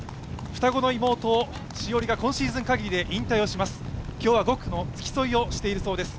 双子の妹・詩織が今シーズンで引退します。